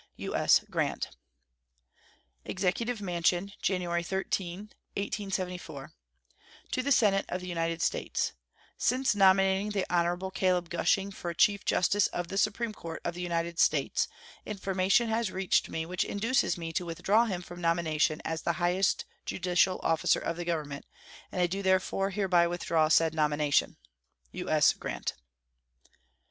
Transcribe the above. U.S. GRANT. EXECUTIVE MANSION, January 13, 1874. To the Senate of the United States: Since nominating the Hon. Caleb Gushing for Chief Justice of the Supreme Court of the United States information has reached me which induces me to withdraw him from nomination as the highest judicial officer of the Government, and I do therefore hereby withdraw said nomination. U.S. GRANT.